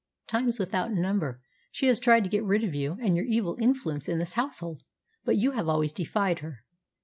Times without number she has tried to get rid of you and your evil influence in this household, but you have always defied her.